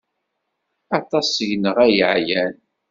Aṭas seg-neɣ ay yeɛyan.